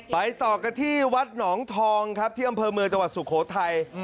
ต่อกันที่วัดหนองทองครับที่อำเภอเมืองจังหวัดสุโขทัย